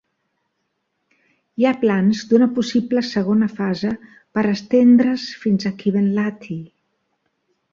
Hi ha plans d'una possible segona fase per estendre's fins a Kivenlahti.